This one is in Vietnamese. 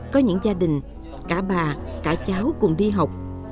có những gia đình cả bà cả cháu cùng đi học